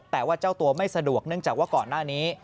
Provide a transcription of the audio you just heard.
แต่ว่าเจ้าตัวไม่สะดวกเนื่องจากว่าก่อนหน้านี้